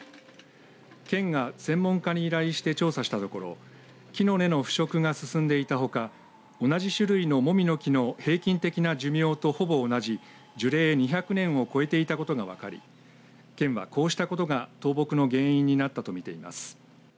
県が専門家に依頼して調査したところ木の根の腐食が進んでいたほか同じ種類のモミの木の平均的な寿命とほぼ同じ樹齢２００年を超えていたことが分かり県はこうしたことが倒木の原因になったと見ています。